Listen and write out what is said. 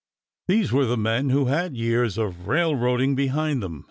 These were men who had years of railroading behind them.